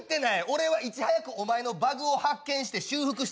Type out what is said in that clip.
俺はいち早くお前のバグを発見して修復してるだけや。